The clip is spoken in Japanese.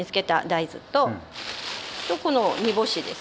とこの煮干しです。